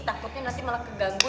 takutnya nanti malah keganggu